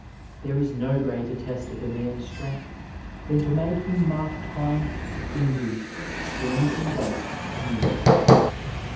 There is no greater test of a man's strength than to make him mark time in the *' stand and wait " years.